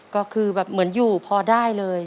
ก็คือแบบเหมือนอยู่พอได้เลย